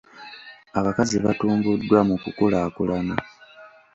Abakazi batumbuddwa mu kukulaakulana.